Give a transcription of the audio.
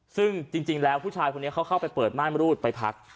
ซึ่งจริงแล้วผู้ชายคนนี้เขาเข้าไปเปิดม่านมรูดไปพัก